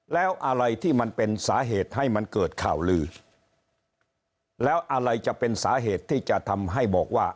แล้วอะไรที่มันเป็นสาเหตุให้มันเกิดข่าวลือแล้วอะไรจะเป็นสาเหตุที่จะทำให้บอกว่า